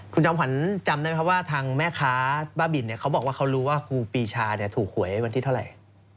คุณจอมขวัญจำได้ไหมครับว่าทางแม่ค้าบ้าบินเขาบอกว่าเขารู้ว่าครูปีชาถูกหวยวันที่เท่าไหร่